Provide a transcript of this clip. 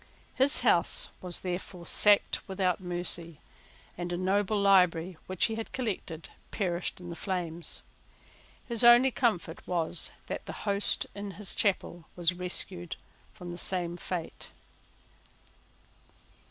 His house was therefore sacked without mercy; and a noble library, which he had collected, perished in the flames. His only comfort was that the host in his chapel was rescued from the same fate.